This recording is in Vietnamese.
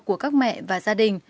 của các mẹ và gia đình